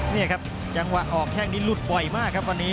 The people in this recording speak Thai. นี่ครับจังหวะออกแข้งนี้หลุดบ่อยมากครับวันนี้